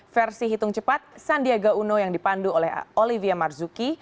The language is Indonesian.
versi hitung cepat sandiaga uno yang dipandu oleh olivia marzuki